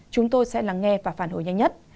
chúng tôi sẽ lắng nghe và phản hồi nhanh nhất